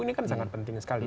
ini kan sangat penting sekali